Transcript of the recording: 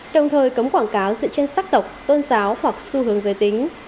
đồng thời cấm quảng cáo dựa trên sắc tộc tôn giáo hoặc xu hướng giới tính